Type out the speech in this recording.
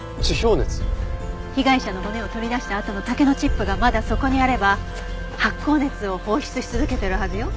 被害者の骨を取り出したあとの竹のチップがまだそこにあれば発酵熱を放出し続けてるはずよ。